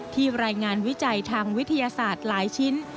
รายงานวิจัยทางวิทยาศาสตร์หลายชิ้น